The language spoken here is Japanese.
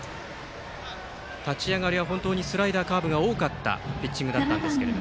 立ち上がりは本当にスライダー、カーブが多かったピッチングでしたが。